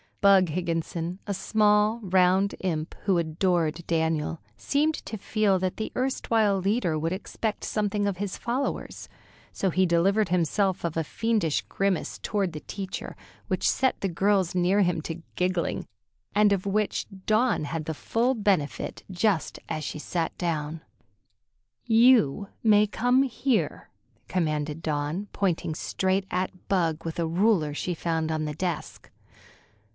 Bug Higginson, a small, round imp, who adored Daniel, seemed to feel that the erstwhile leader would expect something of his followers, so he delivered himself of a fiendish grimace toward the teacher, which set the girls near him to giggling, and of which Dawn had the full benefit just as she sat down. "You may come here," commanded Dawn, pointing straight at Bug with a ruler she found on the desk.